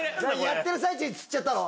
やってる最中につっちゃったの⁉